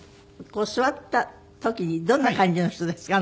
座った時にどんな感じの人ですか？